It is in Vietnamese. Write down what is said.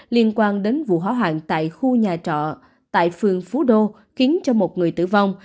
liên quan đến vụ hỏa hoạn tại khu nhà trọ tại phường phú đô khiến cho một người tử vong